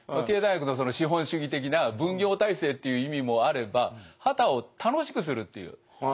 経済学の資本主義的な分業体制っていう意味もあれば傍を楽しくするっていう。